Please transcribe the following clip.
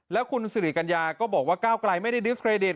แล้วคุณสิริกัญญาก็บอกว่าก้าวไกลไม่ได้ดิสเครดิต